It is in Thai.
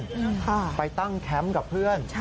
นั่นค่ะไปตั้งแคมป์กับเพื่อน